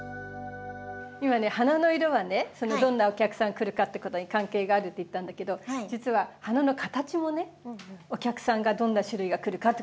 今ね花の色はねどんなお客さん来るかってことに関係があるって言ったんだけど実は花の形もねお客さんがどんな種類が来るかってことと関係があるんですね。